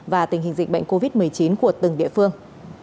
và tình hình dịch bệnh covid một mươi chín của từng địa phương